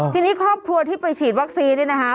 ทีนี้ครอบครัวที่ไปฉีดวัคซีนนี่นะคะ